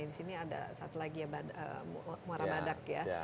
di sini ada satu lagi ya muara badak ya